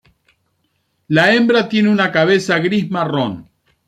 La hembra tiene una cabeza gris-marrón.